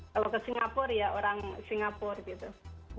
kalau ke singapura ya orang singapura gitu